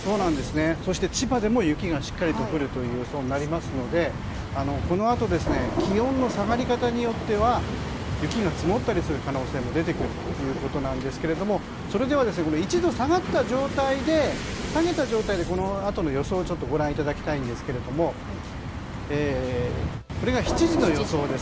千葉でも雪がしっかり降るという予想になりますのでこのあとの気温の下がり方によっては雪が積もったりする可能性も出てくるということなんですがそれでは、１度下げた状態でこのあとの予想をご覧いただきたいんですがこれが７時の予想です。